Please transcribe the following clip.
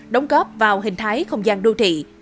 đóng góp vào hình thái không gian đô thị